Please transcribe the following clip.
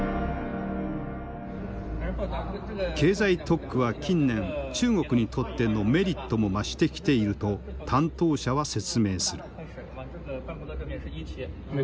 経済特区は近年中国にとってのメリットも増してきていると担当者は説明する。